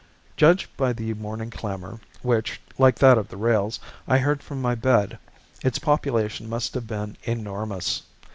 Judged by the morning clamor, which, like that of the rails, I heard from my bed, its population must have been enormous.